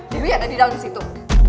dewi ada di dalam di situ